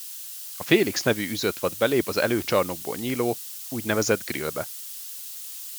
A Félix nevű űzött vad belép a előcsarnokból nyíló, úgynevezett Grillbe.